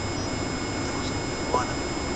Pasted to mozila common voice